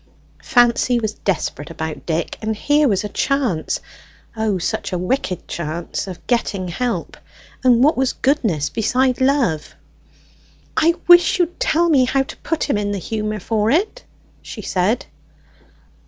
Fancy was desperate about Dick, and here was a chance O, such a wicked chance of getting help; and what was goodness beside love! "I wish you'd tell me how to put him in the humour for it?" she said.